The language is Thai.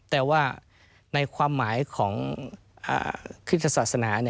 แต่ว่าในความหมายของคริสตศาสนา